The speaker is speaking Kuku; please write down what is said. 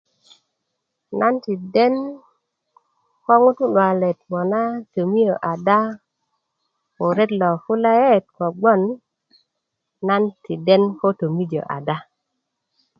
nan ti den ko ŋutu luwalet ŋona tomiyö ada ko ret lo kulayet kobgon nan ti den ko tomijö ada